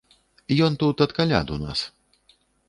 Ён тут ад каляд у нас.